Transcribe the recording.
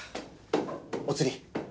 お釣り。